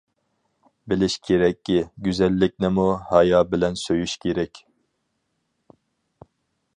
بىلىش كېرەككى، گۈزەللىكنىمۇ ھايا بىلەن سۆيۈش كېرەك.